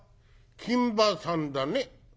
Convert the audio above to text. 「金馬さんだね」。